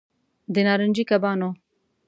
د نارنجي کبانو